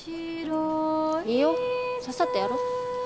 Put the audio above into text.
いいよ。さっさとやろう。